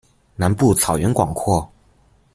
南部草原广阔。